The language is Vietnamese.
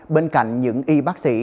bên cạnh những y bác sĩ